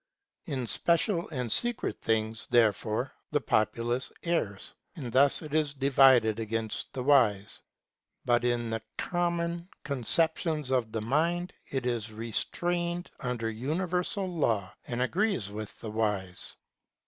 In special or secret things, therefore, the populace errs ; and thus it is divided against the wise ; but in the common con ceptions of the mind it is restrained under universal law, and agrees with the wise.